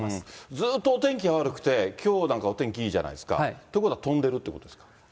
ずっとお天気が悪くて、きょうなんかお天気いいじゃないですか。ということは、飛んでるということですか？